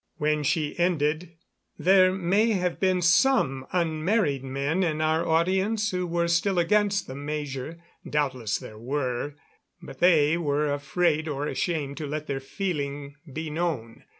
When she ended there may have been some unmarried men in our audience who were still against the measure doubtless there were but they were afraid or ashamed to let their feeling be known.